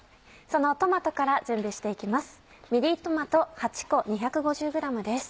そのトマトから準備して行きます。